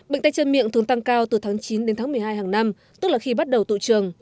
bệnh tay chân miệng thường tăng cao từ tháng chín đến tháng một mươi hai hàng năm tức là khi bắt đầu tụ trường